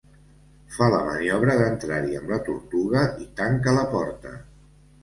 Fa la maniobra d'entrar-hi amb la tortuga i tanca la porta.